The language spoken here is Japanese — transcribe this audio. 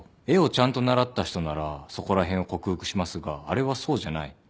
絵をちゃんと習った人ならそこら辺を克服しますがあれはそうじゃない。